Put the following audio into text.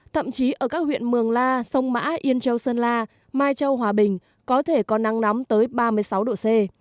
thậm chí ở các huyện mường la sông mã yên châu sơn la mai châu hòa bình có thể có nắng nóng tới ba mươi sáu độ c